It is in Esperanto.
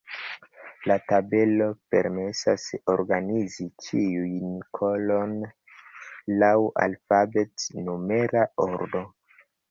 La tabelo permesas organizi ĉiun kolonon laŭ alfabet-numera ordo.